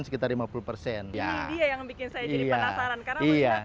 ini dia yang bikin saya jadi penasaran